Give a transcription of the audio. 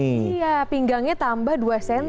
iya pinggangnya tambah dua cm